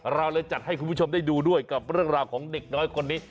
เราเลยจัดให้คุณผู้ชมได้ดูด้วยกับเรื่องราวของเด็กน้อยคนนี้